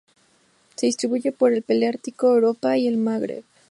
Se distribuye por el paleártico: Europa y el Magreb.